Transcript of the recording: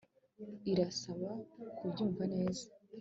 irasaba kubyumva neza